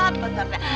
kasihan benar ya